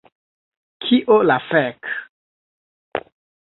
Kio la fek...?